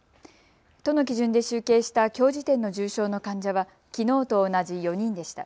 都の基準で集計したきょう時点の重症の患者はきのうと同じ４人でした。